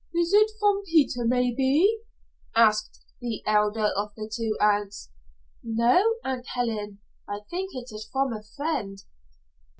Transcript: "Is it from Peter, maybe?" asked the elder of the two aunts. "No, Aunt Ellen; I think it is from a friend."